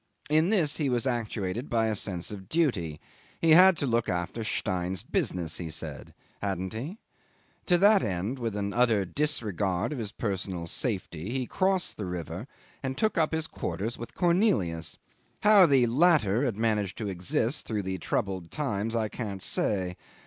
In this he was actuated by a sense of duty; he had to look after Stein's business, he said. Hadn't he? To that end, with an utter disregard of his personal safety, he crossed the river and took up his quarters with Cornelius. How the latter had managed to exist through the troubled times I can't say.